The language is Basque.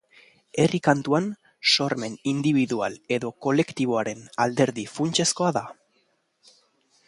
Herri kantuan sormen indibidual edo kolektiboaren alderdi funtsezkoa da.